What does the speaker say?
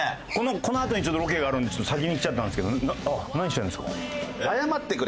このあとにロケがあるんで先に来ちゃったんですけど何してるんですか？